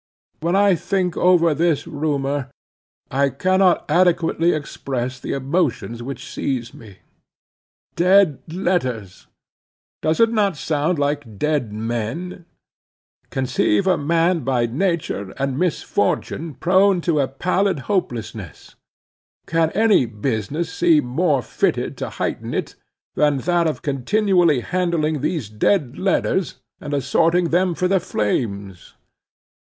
When I think over this rumor, I cannot adequately express the emotions which seize me. Dead letters! does it not sound like dead men? Conceive a man by nature and misfortune prone to a pallid hopelessness, can any business seem more fitted to heighten it than that of continually handling these dead letters, and assorting them for the flames?